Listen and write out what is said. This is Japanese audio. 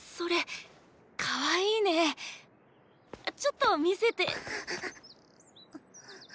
ちょっと見せて。